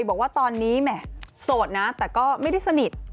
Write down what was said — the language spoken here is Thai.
บอกว่าตอนนี้แหม่โสดนะแต่ก็ไม่ได้สนิท